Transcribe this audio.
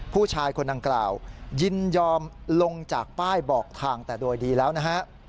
ผู้ชายคนดังกล่าวยินยอมลงจากป้ายบอกทางแต่โดยดีแล้วนะฮะ